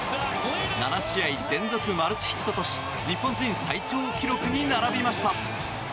７試合連続マルチヒットとし日本人最長記録に並びました。